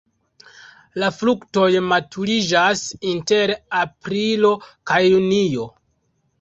La fruktoj maturiĝas inter aprilo kaj junio.